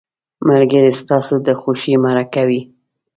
ملګری ستا د خوښۍ مرکه وي